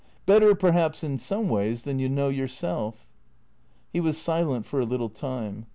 Better, perhaps, in some ways, than you know yourself." He was silent for a little time.